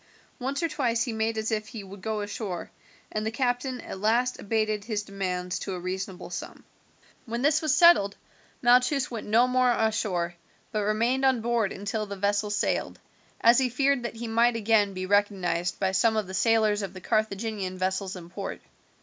Once or twice he made as if he would go ashore, and the captain at last abated his demands to a reasonable sum. When this was settled Malchus went no more ashore, but remained on board until the vessel sailed, as he feared that he might again be recognized by some of the sailors of the Carthaginian vessels in port.